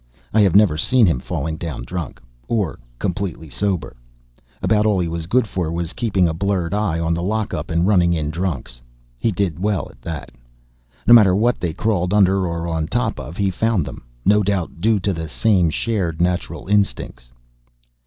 I have never seen him falling down drunk or completely sober. About all he was good for was keeping a blurred eye on the lockup and running in drunks. He did well at that. No matter what they crawled under or on top of, he found them. No doubt due to the same shared natural instincts.